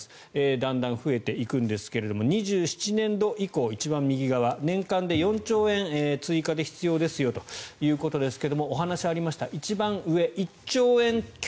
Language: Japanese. だんだん増えていくんですが２７年度以降年間で４兆円、追加で必要ですよということですがお話ありました一番上、１兆円強。